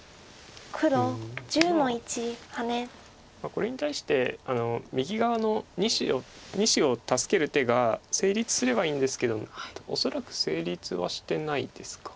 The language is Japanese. これに対して右側の２子を助ける手が成立すればいいんですけども恐らく成立はしてないですか。